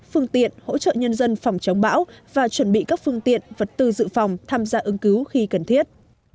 phương tiện hỗ trợ nhân dân phòng chống bão và chuẩn bị các phương tiện vật tư dự phòng tham gia ứng cứu khi cần thiết